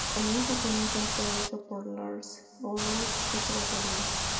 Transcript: Comienza con un conteo hecho por Lars Ulrich y su batería.